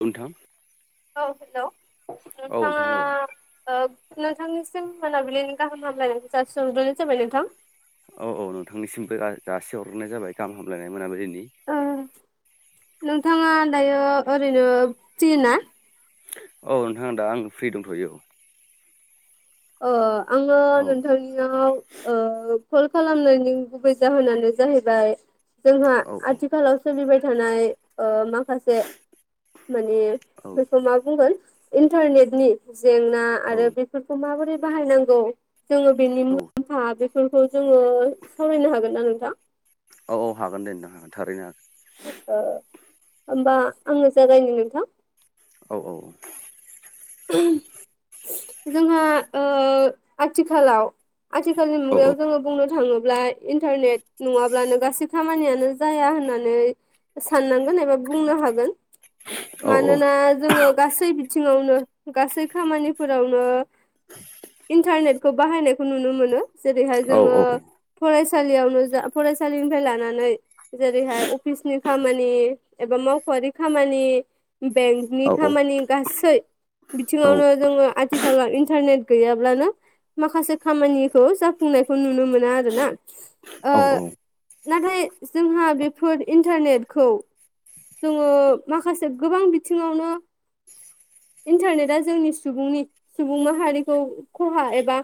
नोंथां औ हेल' औ नोंथाङा नोंथां औ ओ नोंथांनिसिम मोनाबिलिनि गाहाम हामलायनायखौ जासिहरग्रोनाय जाबाय नोंथां औ औ नोंथांनिसिमबो जासि हरग्रोनाय जाबाय गाहाम हामलायनाय मोनाबिलिनि ओ नोंथाङा दायो ओरैनो फ्रि ना औ नोंथां आं दा आं फ्रि दंथ'यो औ ओ आङो औ नोंथांनियाव ओ कल खालामनायनि गुबै जाहोनानो जाहैबाय जोंहा औ औ आथिखालाव सोलिबाय थानाय ओ माखासे माने औ बेखौ मा बुंगोन इन्टारनेटनि जेंना औ आरो बेफोरखौ माबोरै बाहायनांगौ जोङो बेनि औ मुलाम्फा बेफोरखौ जोङो सावरायनो हागोन ना नोंथां औ औ हागोन दे नों हागोन थारैनो हागोन होमबा आङो जागायनो नोंथां औ औ औ जोंहा ओ आथिखालाव आथिखालनि औ औ मुगायाव जोङो बुंनो थाङोब्ला इन्टारनेट नङाब्लानो गासै खामानियानो जाया होननानै साननांगोन एबा बुंनो हागोन औ मानोना जोङो गासै बिथिङावनो गासै खामानिफोरावनो लांदां इन्टारनेटखौ बाहायनायखौ नुनो मोनो जेरैहाय औ जोङो फरायसालियाव नुजा फरायसालिनिफ्राय लानानै जेरैहाय अफिसनि खामानि एबा मावख'आरि खामानि बेंक नि औ औ खामानि गासै औ बिथिङावनो औ जोङो आथिखालाव इन्टारनेट गैयाब्लानो माखासे खामानिखौ जाफुंनायखौ नुनो मोना आरोना ओ औ औ नाथाय जोंहा बेफोर इन्टारनेटखौ जोङो माखासे गोबां बिथिङावनो इन्टारनेटआ जोंनि सुबुंनि सुबुं माहारिखौ खहा एबा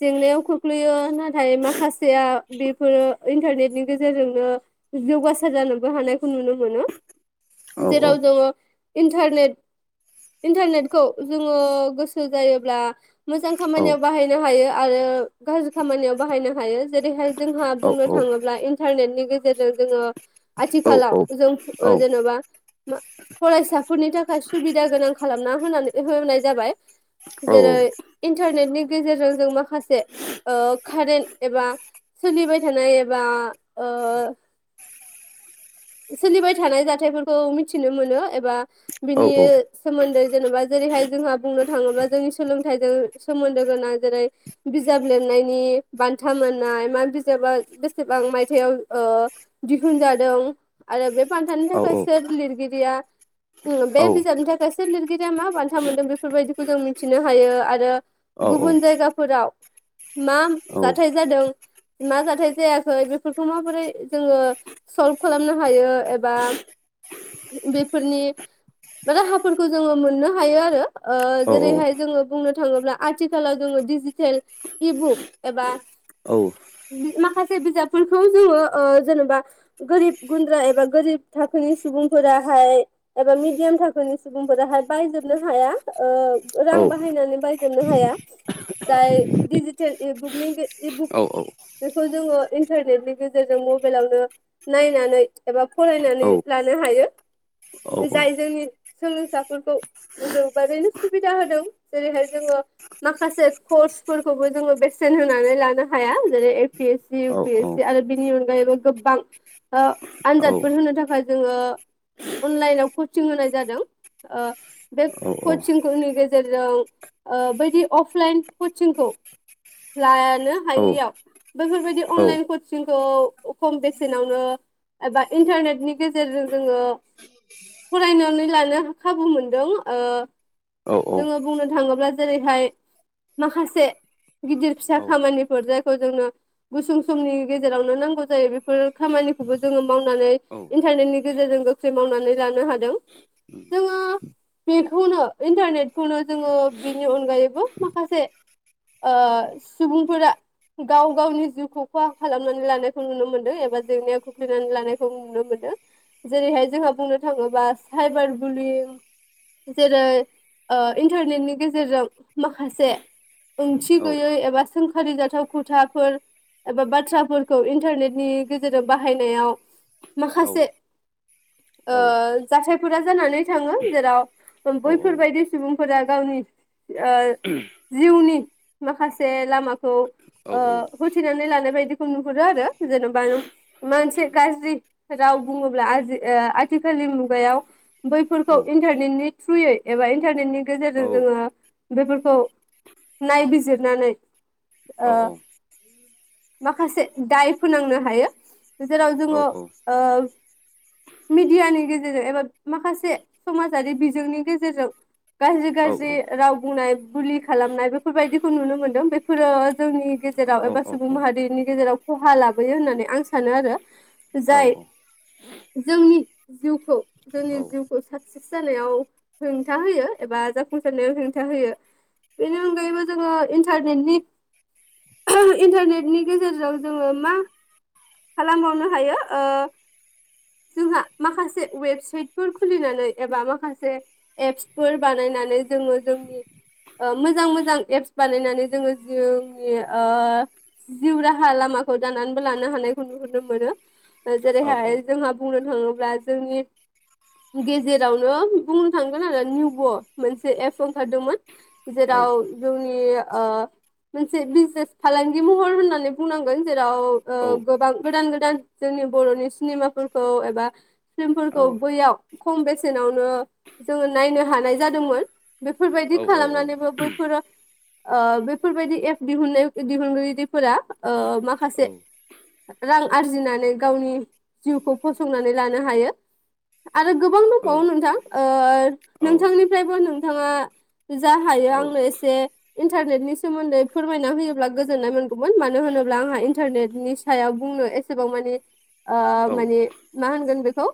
जेंनायाव खोख्लैयो नाथाय माखासेया बेफोरो इन्टारनेटनि गेजेरजोंनो जौगासार जानोबो हानायखौ नुनो मोनो जेराव जोङो इन्टारनेट इन्टारनेटखौ जोङो गोसो जायोब्ला मोजां खामानियाव बाहायनो हायो आरो गाज्रि खामानियाव बाहायनो हायो जेरैहाय जोंहा बुंनो थाङोब्ला इन्टारनेटनि गेजेरजों जोङो आथिखालाव जों जेन'बा फरायसाफोरनि थाखाय सुबिदा गोनां खालामना होनानै होनाय जाबाय जेरै इन्टारनेटनि गेजेरजों जों माखासे ओ कारेन्ट एबा सोलिबाय थानाय एबा ओ सोलिबाय थानाय जाथायफोरखौ मिथिनो मोनो एबा बिनि सोमोन्दै जेन'बा जेरैहाय जोंहा बुंनो थाङोब्ला जोंनि सोलोंथाइजों सोमोन्दो गोनां जेरै बिजाब लिरनायनि बान्था मोननाय मा बिजाबा बेसेबां मायथाइआव दिहुनजादों आरो बे बान्थानि थाखाय सोर लिरगिरिया उम बे बिजाबनि थाखाय सोर लिरगिरिया मा बान्था मोनदों बेफोरबायदिखौ जों मिथिनो हायो आरो गुबुन जायगाफोराव मा जाथाय जादों मा जाथाय जायाखै बेफोरखौ माबोरै जोङो सल्भ खालामनो हायो एबा बेफोरनि राहाफोरखौ जोङो मोननो हायो आरो जेरैहाय जोङो बुंनो थाङोब्ला आथिखालाव जोङो डिजिटेल इबुक एबा माखासे बिजाबफोरखौ जोङो जेनबा गोरिब गुन्द्रा एबा गोरिब थाखोनि सुबुंफोराहाय एबा मिडियाम थाखोनि सुबुंफोराहाय बायजोबनो हाया रां ओ बाहायनानै बा जोबनो हाया जाय डिजिटेल इबुकनि इबुक बेखौ जोङो इन्टारनेटनि गेजेरजों मबाइलावनो नायनानै एबा फरायनानै लानो हायो जाय जोंनि सोलोंसाफोरखौ गोजौबारैनो सुबिदा होदों जेरैहाय जोङो माखासे कर्सफोरखौबो जोङो बेसेन होनानै लानो हाया जेरै A P S C A P A C बेै आरो बिनि अनगायैबो गोबां ओ आनजादफोर होनो थाखाय जोङो अनलाइनाव कचिं होनाय जादों। ओ बे कचिंनि गेजेरजों ओ बायदि अफलाइन कचिंखौ लानो हायैयाव बेैफोरबायाददि अनलाइन कचिंखौ खम बेसेनावनो एबा इन्टारनेटनि गेजेरजों जोङो फरायनानै लानो खाबु मोनदों ओ औ औ जोङो बुंनो थाङोब्ला जेरैहाय माखासे गिदिर औ फिसा खामानिफोर जायखौ जोंनो गुसुं समनि गेजेरावनो नांगौ जायो बेफोर खामानि खौबो जोङो मावनानै इन्टारनेटनि गेजेरजों गोख्रै मावनानै लानो हादों औ जोङो बेखौनो इन्टारनेटखौनो जोङो बेनि अनगायैबो माखासे ओ सुबुंफोरा गाव गावनि जिउखौ खहा खालामनानै लानायखौ नुनो मोनदों एबा जेंनाय नानै लानायखौ नुनो मोनदों जेरैहाय जोंहा बुंनो थाङोबा साइबार बुलिं जेरै ओ इन्टारनेटनि गेजेरजों माखासे ओंथि गैयै एबा सोंखारि जाथाव खथाफोर एबा बाथ्राफोरखौ इन्टारनेटनि गेजेरजों बाहायनायाव माखासे ओ जाथायफोरा जानानै थाङो जेराव बैफोरबायदि सुबुंफोरा गावनि ओ जिउनि माखासे लामाखौ ओ होथिनानै लानाय बायदिखौ नुहुरो आरो जेनबा मोनसे गाज्रि राव बुङोब्ला आजि आथिखालनि मुगायाव बैफोरखौ इन्टारनेटनि थ्रुयै एबा इन्टारनेटनि गेजेरजों जोङो बेफोरखौ नायबिजिरनानै ओ औ औ माखासे दाय फोनांनो हायो जेराव जोङो ओ मिडियानि गेजेरजों एबा माखासे समाजारि बिजोंनि गेजेरजों गाज्रि गाज्रि राव बुंनाय बुलि खालामनाय बेफोरबायदिखौ नुनो मोनदों बेफोरो जोंनि गेजेराव एबा सुबुं माहारिनि गेजेराव खहा लाबोयो होननानै आं सानो आरो जाय जोंनि जिउखौ जोंनि जिउखौ साक्सेस जानायाव हेंथा होयो एबा जाफुंसारनायाव हेंथा होयो बेनि अनगायैबो जोङो इन्टारनेटनि इन्टारनेटनि गेजेरजों जोङो मा खालामबावनो हायो। जोंहा माखासे वेबसाइटफोर खुलिनानै एबा माखासे एप्सफोर बानायनानै जोङो जोंनि मोजां मोजां एप्स बानायनानै जोङो जिउनि जिउ राहा लामाखौ दानानैबो लानो हानायखौ नुहुरनो मोनो जेरैहाय जोंहा बुंनो थाङोब्ला जोंनि गेजेरावनो बुंनो थांगोन आरो निभ' मोनसे एप ओंखारदोंमोन जेराव जोंनि ओ मोनसे बिजनेस फालांगि महर होननानै बुंनांगोन जेराव ओ गोबां गोदान गोदान जोंनि बर'नि सिनेमाफोरखौ एबा फिल्मफोरखौ बैयाव खम बेसेनावनो जोङो नायनो हानाय जादोंमोन। बेफोरबायदि खालामनानैबो बैफोरो बेफोरबायदि एप दिहुननाय दिहुनगिरिफोरा माखासे रां आरजिनानै गावनि जिउखौ फसंनानै लानो हायो। आरो गोबां औ दंबावो नोंथां ओ नोंथांनिफ्रायबो नोंथाङा जा हायो औ आंनो एसे इन्टारनेटनि सोमोन्दै फोरमायना होयोब्ला गोजोननाय मोनगौमोन मानो होनोब्ला आंहा इन्टारनेटनि सायाव बुंनो एसेबां मानि औ माने मा होनगोन बेखौ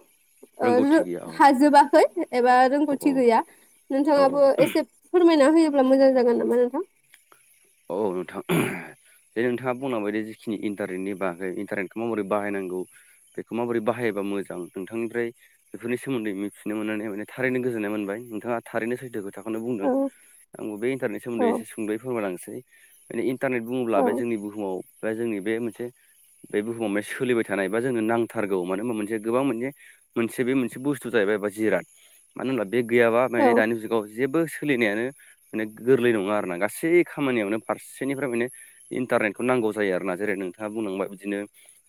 ओ रोंगौथि गैया औ रो-हाजोबाखै। एबा औ रोंगौथि गैया औ नोंथाङाबो एसे फोरमायना होयोब्ला मोजां जागोन नामा नोंथां! औ नोंथां। जे नोंथाङा बुंलांबायदि जिखिनि इन्टारनेटनि बागै इन्टारनेटखौ माबोरै बाहायनांगौ बेखौ माबोरै बाहायोबा मोजां नोंथांनिफ्राय बेफोरनि सोमोन्दै मिथिनो मोननानै माने थारैनो गोजोन्नाय मोनबाय। नोंथाङा थारैनो सैथो खोथाखौनो बुंदों औ आंबो बे इन्टारनेट औ सोमोन्दै एसे सुंद'यै फोरमायलांनोसै माने इन्टारनेट बुङोब्ला औ बे जोंनि बुहुमाव बा जोंनि बे मोनसे बे बुहुमाव माने सोलिबाय थानाय बा जोंनो नांथारगौ मानो होनबा मोनसे गोबां मोनसे मोनसे बे मोनसे बुस्थु जाहैबायबा जिराद मानो होनब्ला बे गैयाबा मे औ दानि जुगाव जेबो सोलिनायानो माने गोरलै नङा आरोना गासै खामानियावनो फारसेनिफ्राय माने इन्टारनेटखौ नांगौ जायो आरोना जेरै नोंथाङा बुंलांबाय बिदिनो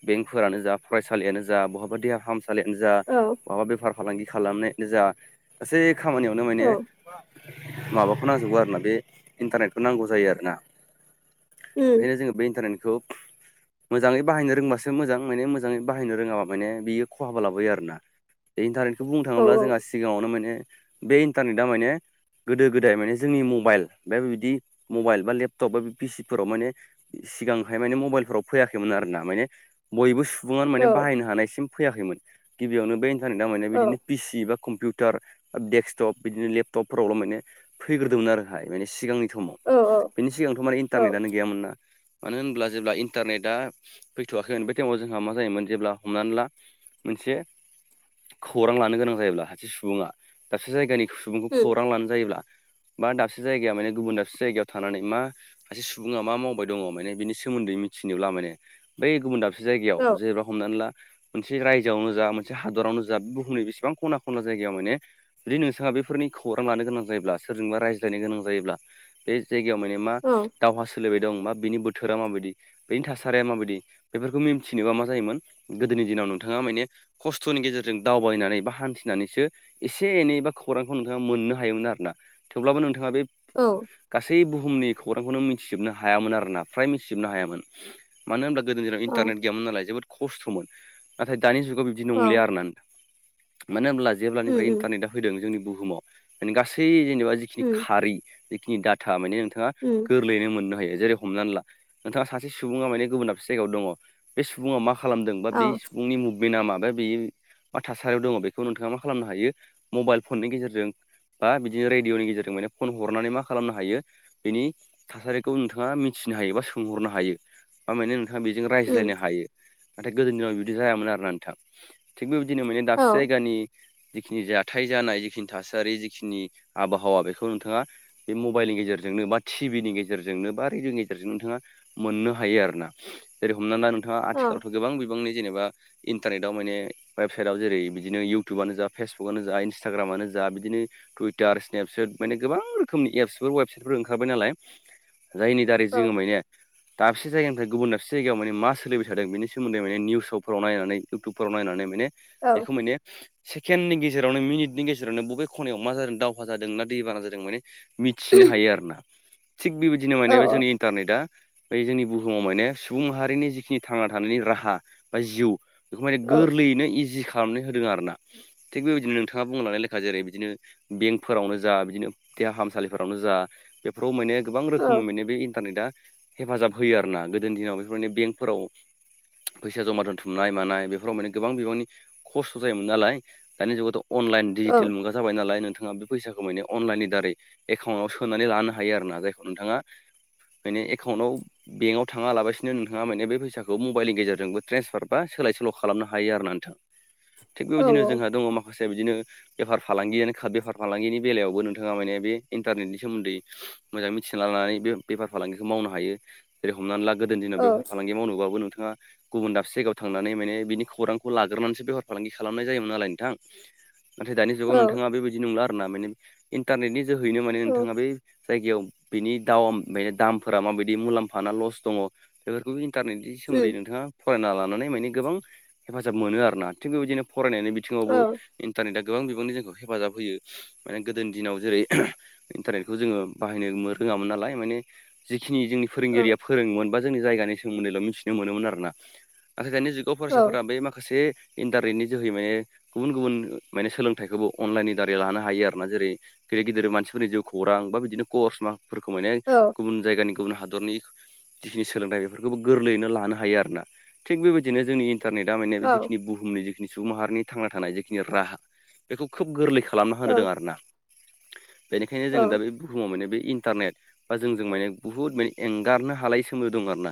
बेंकफोरानो जा फरायसालियानो जा बहाबा देहा फाहाम सालियानो जा औ माबा बेफार फालांगि खालामनायानो जा गासै खामानियावनो माने औ माबाखौ नांजोबगौ आरोना बे इन्टारनेटखौ नांगौ जायो आरोना उम ओंखायनो जोंनो बे इन्टारनेटखौ मोजाङै बाहायनो रोंबासो मोजां माने मोजाङै बाहायनो रोङाबा माने बियो खहाबो लाबोयो आरो ना। बे इन्टारनेटखौ बुंनो औ थाङोब्ला जोंहा सिगाङावनो माने बै इन्टारनेटआ माने गोदो गोदाय माने जोंनि मबाइल बे बिदि मबाइल बा लेपटप बा बि पिसि फोराव माने सिगांहाय माने मबाइलफोराव फैयाखैमोन आरो ना माने बयबो सुबुङानो औ माने बाहायनो हानायसिम फैयाखैमोन गिबियावनो बे इन्टारनेटआ माने औ बिदिनो पिसि बा कम्पिउटार बा डेक्सटप बिदिनो लेपटपफोरावल' माने फैग्रोदोंमोन आरोहाय माने सिगांनि समाव औ बिनि सिगांथ' माने औ इन्टारनेटआनो गै गैयामोना मानो होनब्ला जेब्ला इन्टारनेटआ फैथ'वाखैमोन बे टाइमाव जोंहा मा जायोमोन जेब्ला हमनानै ला मोनसे खौरां लानो गोनां जायोब्ला सासे सुबुङा दाबसे जायगानि सुबुंखौ उम खौरां लानो जायोब्ला बा दाबसे जायगाया माने गुबुन दाबसे जायगायाव थानानै मा सासे सुबुङा मा मावबाय दङ माने बिनि सोमोन्दै मिथिनोब्ला माने बै गुबुन दाब सूजायगायाव औ जेनबा हमनानै ला मोनसे रायजोआवनो जा मोनसे हादरावनो जा बे बुहुमनि बेसेबां खना खनला जायगायाव माने जुदि नोंथाङा बेफोरनि खौरां लानो गोनां जायोब्ला सोरजोंबा रायज्लायनो गोनां जायोब्ला बे जायगायाव माने मा औ दावहा सोलिबाय दं मा बेनि बोथोरा माबायदि बेनि थासारिया माबायदि बेफोरखौ मिथिनोबा मा जायोमोन गोदोनि दिनाव नोंथाङा मायने खस्थ'नि गेजेरजों दावबायनानै बा हान्थिनानैसो एसे एनै बा खौरांखौ नोंथाङा मोननो हायोमोन आरोना थेवब्लाबो नोंथाङा बे औ गासै बुहुमनि खौरांखौनो मिथिजोबनो हायामोन आरोना फ्राय मिथिजोबनो हायामोन मानो होनब्ला गोदोनि दिनाव अ इन्टारनेट गैयामोन नालाय जोबोद खस्थ'मोन नाथाय दानि जुगाव बि दि नंलिया औ आरोना मानो होनब्ला जेब्लानि उम उम इन्टारनेटा होदों जोंनि बुहुमाव माने गासै जेनेबा जिखिनि उम खारि जिखिनि डाटा माने नोंथाङा उम गोरलैयैनो मोननो हायो जेरै हमनानै ला नोंथाङा सासे सुबुङा माने गुबुन दाबसे जायगायाव दङ बे सुबुङा मा खालामदों बा बे औ सुबुंनि मुं बेना माबाया बे मा थासारियाव दङ बेखौ नोंथाङा मा खालामनो हायो मबाइल फननि गेजेरजों बा बिदिनो रेडिअनि गेजेरजों माने फन हरनानै मा खालामनो हायो बिनि थासारिखौ नोंथाङा मिथिनो हायो बा सोंहरनो हायो बा माने नोंथाङा बेजों उम रायज्लायनो हायो नाथाय गोदो दिनाव बिदि जायामोन आरो नोंथा थिग बेबायदिनो माने दाबसे औ जायगानि जिखिनि जाथाय जानाय जिखिनि थासारि जिखिनि आबहावा बेखौ नोंथाङा बे मबाइलनि गेजेरजोंनो बाथि टिभि नि गेजेरजोंनो बा रेडिअनि गेजेरजों नोंथाङा मोननो हायो आरो ना जेरै हमनानै ला नों थाङा औ आथिखालावथ' गोबां बिबांनि जेनेबा इन्टारनेटाव माने वेबसाइटआव जेरै बिदिनो इउटुबानो जा फेसबुकआनो जा इन्सटाग्रामानो जा बिदिनो टुइटार स्नेपसेेट माने गोबां रोखनि एबसफोर वेबसाइटफोर ओंखारबाय नालाय जायनि दारै औ जोङो माने दाबसे जायगानिफ्राय गुबुन दाबसे जायगायाव माने मा सोलिबाय थादों बेनि सोमोन्दै बे निउसफ्राव नायनानै इउटुबफोराव नायनानै माने औ बेखौ माने सेकेण्डनि गेजेरावनो मिनिटनि गेजेरावनो बबे खनायाव मा जादों दावहा जादों ना दैबाना जादों माने मिथिनो हायो आरोना थिग बेबायदिनो औ माने जोंनि इन्टारनेटआ बे जोंनि बुहुमाव माने सुबुं माहारिनि जिखिनि थांना थानायनि राहा बा जिउ बेखौ माने औ गोरलैयैनो इजि खालामनानै होदों आरो ना थिग बेबायदिनो नोंथाङा बुंनो लानाय लेखा जेरै बिदिनो बेंकफोरावनो जा बिदिनो देहा फाहामसालिफोरावनो जा बेफोराव माने गोबां औ रोखोमै माने बे इन्टारनेटआ हेफाजाब होयो आरोना गोदोनि दिनाव बेफोर माने बेंकफोराव फैसा जमा दोनथुमनाय मानाय बेफोराव माने गोबां बिबांनि खस्थ' जायोमोन नालाय दानि जुगावथ' अनलाइन औ डिजिटेल मुगा जाबाय नालाय नोंथाङा बे फैसाखौ माने अनलाइननि दारै एकाउनाव सोनानै लानो हायो आरो ना जाय खौ नोंथाङा माने एकाउन्टाव बेंकआव थाङा लाबासिनो नोंथाङा माने बे फैसाखौ मबाइलनि गेजेरजोंबो ट्रेन्सफार बा सोलाय सोल' खालामनो हायो आरोना नोंथां थिग औ उम औ बेबायदिनो जोंहा दङ माखासे बिदिनो बेफार फालांगियानो बेफार फालांगिनि बेलायावबो नोंथाङा माने बे इन्टारनेटनि सोमोन्दै मोजां मि थिना लानानै बे बेफार फालांगिखौ मावनो हायो जेरै हमनानै ला गोदोनि दिनाव औ बेफार फालांगि मावनोबाबो नोंथाङा गुबुन दाबसे जायगायाव थांनानै माने बिनि खौरांखौ लाग्रोनानैसो बेफार फालांगि खालामनाय जायोमोन नालाय नोंथां नाथाय दानि औ जुगाव औ नोंथाङा बेबायदि नंला आरो ना माने इन्टारनेटनि जोहैनो माने औ नोंथाङा बे जायगायाव बिनि दाव बे दामफोरा माबायदि मुलाम्फाना लस दङ बेफोरखौबो इन्टारनेटनि सोमोन्दै नोंथाङा फरायना लानानै माने गोबां हेफाजाब मोनो आरोना थिग बेबायदिनो फरायनानै बि थिङावबो औ इन्टारनेटआ गोबां बिबांनि जोंखौ हेफाजाब होयो माने गोदोनि दिनाव जेरै इन्टारनेटखौ जोङो बाहायनो मोन रोङामोन नालाय माने जिखिनि जोंनि फोरोंगिरिया औ फोरोंङोमोन बा जोंनि जायगानि सोमोन्दैल' मिथिनो मोनोमोन आरो ना नाथाय दानि जुग फरायसाफोरा बे माखासे इन्टारनेटनि जोहै माने गुबुन गुबुन माने सोलोंथाइखौबो अनलाइननि दारै लानो हायो आर ना जेरै गिदिर गिदिर मानसिफोरनि जिउ खौरां बा बिदिनो कर्स मां फोरखौ माने गुबुन जायगानि गुबुन हादरनि जिखिनि सोलोंथाइ बेफोरखौबो गोरलैयैनो लानो हायो आरोोना थिग बेबायदिनो जोंनि इंटरनेटदा माने जिखिनि बुहुमनि जिखिनि सुबुं माहारिनि थांना थानाय जिखिनि राहा बेखौ खोब गोरलै खालामना होदों आरोना बेनिखायनो जोङो दा बे बुहुमाव माने बे इन टारनेट बा जोंजों माने बुहुत माने एंगारनो हालायै सोमोनदो दं आरो ना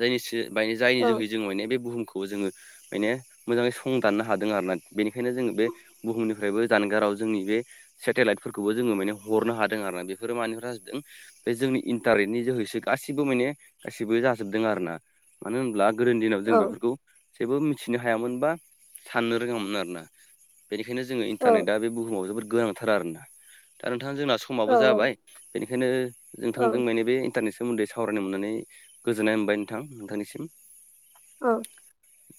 जायनिसो [unintelligible] जायनि जोहै जों माने बे बुहुमखौ खौ जोङो माने मोजाङै सं दाननो हादों आरोना बेनिखायनो जोङो बे बुहुमनिफ्रायबो जानगाराव जोंनि बे सेटेलाइटफोरखौबो जोङो माने हरनो हादों आर ना बेफोरो मानिफ बे जोंनि इन्टारनेटनि जोहैसो गासिबो माने गाैबो जाजोबदों आरो ना मानो होनब्ला गोदोनि दिनाव जों बेफोरखौ जेबो मिथिनो हायामोन बा साननो रोङामोन आरोना बेनिखायनो जोङो इन्टारनेटा बे बुहुमाव जोबोद गोनांथार आरोना दा नोंथां जोंना सम समाबो जाबाय बेनिखायनो औ औ जोंथांजों माने बे इन्टारनेसन सोमोन्दै सावरायनो मोननानै गोजोननाय मोनबाय नोंथां नोंथांनिसिम औ